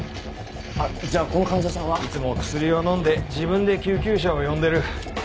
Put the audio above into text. あっじゃあこの患者さんは。いつも薬を飲んで自分で救急車を呼んでる。